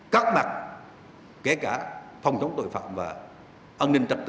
các mặt kể cả phòng thống tội phạm và ẩn định tài liệu